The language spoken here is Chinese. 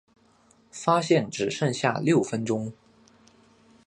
发现只剩下六分钟